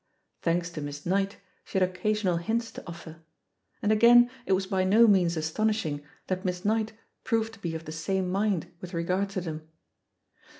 Thanks to Miss Knight, she had oc casional hints to offer; and again it was by no means astonishing that Miss Knight proved to be of the same mind with regard to them.